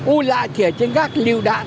u lại thì ở trên gác lưu đạn